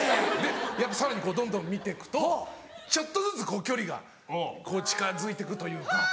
やっぱさらにこうどんどん見てくとちょっとずつこう距離がこう近づいてくというか。